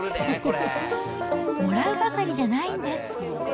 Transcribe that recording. もらうばかりじゃないんです。